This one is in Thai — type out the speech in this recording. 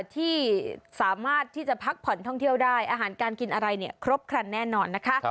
ที่สามารถที่จะพักผ่อนท่องเที่ยวได้อาหารการกินอะไรเนี่ยครบครันแน่นอนนะคะ